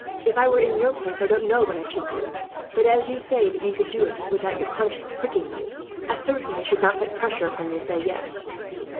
"If I were in your place, I don't know that I should do so; but as you say that you could do it, without your conscience pricking you, I certainly should not put pressure upon you to say 'yes.'